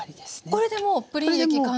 これでもうプリン液完成。